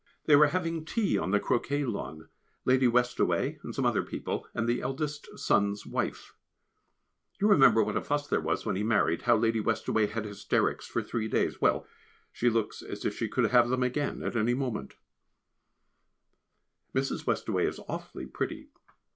They were having tea on the croquet lawn Lady Westaway and some other people, and the eldest son's wife. You remember what a fuss there was when he married, how Lady Westaway had hysterics for three days. Well, she looks as if she could have them again any moment. [Sidenote: An Attractive Woman] Mrs. Westaway is awfully pretty.